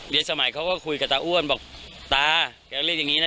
เย็นสมัยเขาก็คุยกับตาอ้วนบอกตาแกก็เรียกอย่างงี้น่ะ